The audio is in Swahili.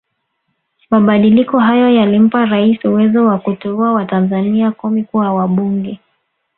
Mabadiliko hayo yalimpa Raisi uwezo wa kuteua watanzania kumi kuwa wabunge